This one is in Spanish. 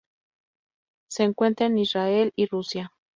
Se encuentra en Israel y Rusia.